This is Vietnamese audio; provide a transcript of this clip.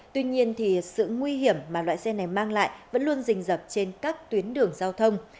tuy nhiên sự nguy hiểm mà loại xe này mang lại vẫn luôn rình dập trên các tuyến đường giao thông